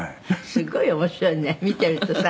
「すごい面白いね見ているとさ」